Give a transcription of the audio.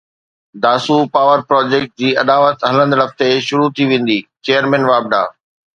Dasu power project جي اڏاوت هلندڙ هفتي شروع ٿي ويندي چيئرمين واپڊا